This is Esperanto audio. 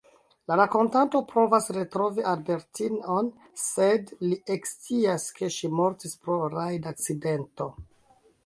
La rakontanto provas retrovi Albertine-on, sed li ekscias ke ŝi mortis pro rajd-akcidento.